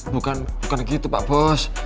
bukan bukan gitu pak bos